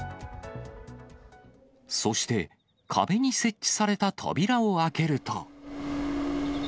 そして壁に設置された扉を開けると。